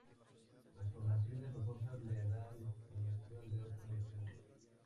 Las formaciones rocosas le dan distinción de otras regiones.